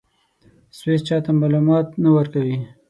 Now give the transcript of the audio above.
سویس چا ته معلومات نه ورکوي.